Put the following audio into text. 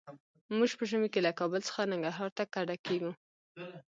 موږ په ژمي کې له کابل څخه ننګرهار ته کډه کيږو.